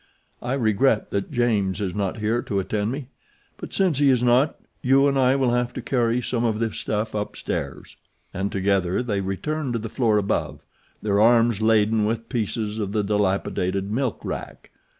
I regret that James is not here to attend me; but since he is not you and I will have to carry some of this stuff upstairs," and together they returned to the floor above, their arms laden with pieces of the dilapidated milk rack.